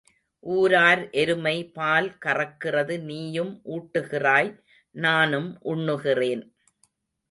ஊரார் எருமை பால் கறக்கிறது நீயும் ஊட்டுகிறாய் நானும் உண்ணுகிறேன்.